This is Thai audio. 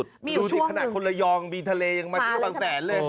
ดูสิขนาดคนระยองมีทะเลยังมาเที่ยวบางแสนเลย